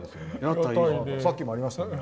さっきもありましたよね